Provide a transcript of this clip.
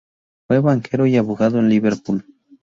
Fue banquero y abogado en Liverpool.